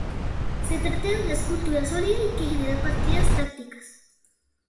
Se trata de una estructura sólida y que genera partidas tácticas.